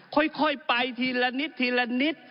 ค่อยไปทีละนิดทีละนิด